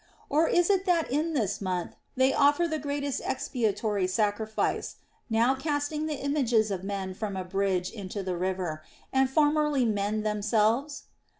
Or is it that in this month they offer the greatest expiatory sacrifice, now casting the images of men from a bridge into the river, and formerly men themselves